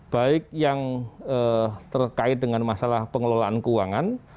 baik yang terkait dengan masalah pengelolaan keuangan